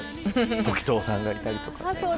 時任さんがいたりとか。